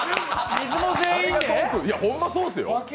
ほんまそうですよ。